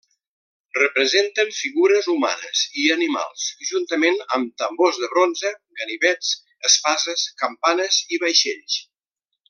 Representen figures humanes i animals, juntament amb tambors de bronze, ganivets, espases, campanes i vaixells.